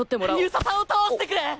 遊佐さんを倒してくれ！